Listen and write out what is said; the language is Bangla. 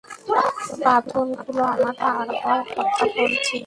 বাঁধন খুল আমার, তারপর কথা বলছি।